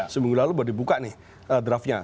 seminggu lalu baru dibuka nih draftnya